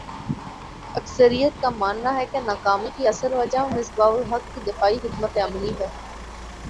اکثریت کا ماننا ہے کہ ناکامی کی اصل وجہ مصباح الحق کی دفاعی حکمت عملی ہے